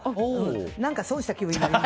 何か損した気分に。